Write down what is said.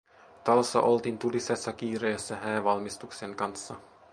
Talossa oltiin tulisessa kiireessä häävalmistuksien kanssa.